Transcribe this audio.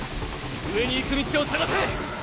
上に行く道を探せ！